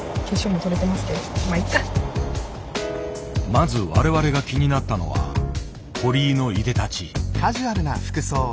まず我々が気になったのは堀井のいでたち。